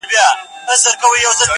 o بې کاري لنگېږي، خواري ترې زېږي!